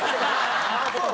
ああそう？